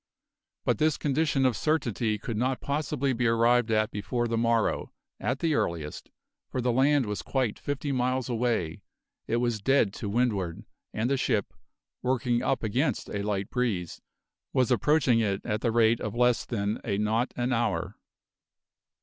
But this condition of certainty could not possibly be arrived at before the morrow, at the earliest, for the land was quite fifty miles away, it was dead to windward, and the ship working up against a light breeze was approaching it at the rate of less than a knot an hour.